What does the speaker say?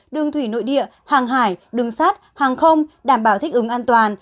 đường thủy nội địa hàng hải đường sát hàng không đảm bảo thích ứng an toàn